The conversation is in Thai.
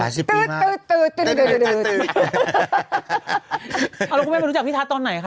เอาเรื่องกับเธอเคยไปรู้จักวิทัศน์ตอนไหนคะ